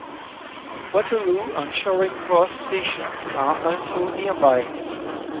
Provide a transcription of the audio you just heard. Waterloo and Charing Cross stations are also nearby.